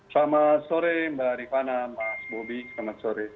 selamat sore mbak rifana mas bobi selamat sore